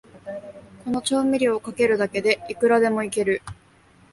この調味料をかけるだけで、いくらでもイケる